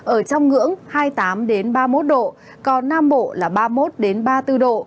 ở trong ngưỡng hai mươi tám ba mươi một độ còn nam bộ là ba mươi một ba mươi bốn độ